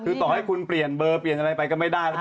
คือต่อให้คุณเปลี่ยนเบอร์เปลี่ยนอะไรไปก็ไม่ได้แล้ว